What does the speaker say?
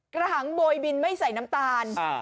กะหังบรัวบินไม่ใส่น้ำตาล